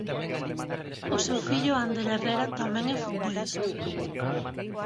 O seu fillo Ander Herrera tamén e futbolista.